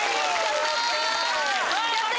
やった！